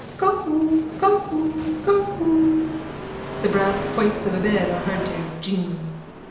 _ Cuckoo. Cuckoo. Cuckoo. _(The brass quoits of a bed are heard to jingle.)